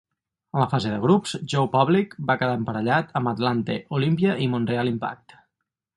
En la fase de grups, Joe Public va quedar emparellat amb Atlante, Olimpia i Montreal Impact.